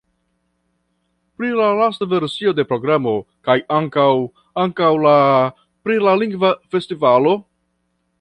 Pri la lasta versio de programo kaj ankaŭ... ankaŭ la... pri la lingva festivalo?